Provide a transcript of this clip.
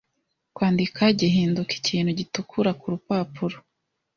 kwandika gihinduka ikintu gitukura kurupapuro